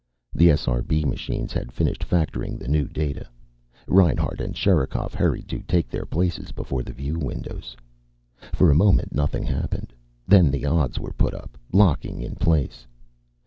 The SRB machines had finished factoring the new data. Reinhart and Sherikov hurried to take their places before the view windows. For a moment nothing happened. Then odds were put up, locking in place.